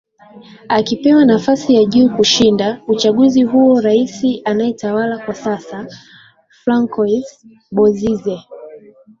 akipewa nafasi ya juu kushinda uchaguzi huo rais anayetawala kwa sasa francois bozize